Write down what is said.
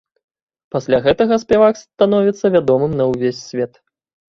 Пасля гэтага спявак становіцца вядомым на ўвесь свет.